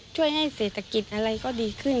ช่วยให้เศรษฐกิจอะไรก็ดีขึ้น